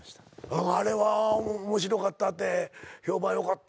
あれは面白かったって評判よかったわ。